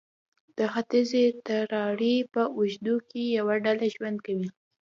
د ختیځې تراړې په اوږدو کې یوه ډله ژوند کوي.